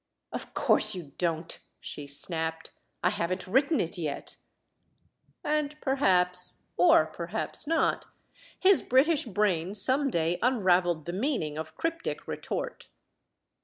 "Of course you don't,'* she snapped. "I haven't written it yet." And perhaps or perhaps not his British brain some day unraveled the meaning of cryptic retort.